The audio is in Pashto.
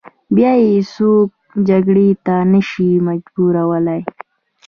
بیا یې څوک جګړې ته نه شي مجبورولای.